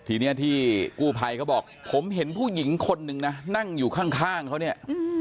ทีนี้ที่กู้ภัยเขาบอกผมเห็นผู้หญิงคนนึงนะนั่งอยู่ข้างเขาเนี่ย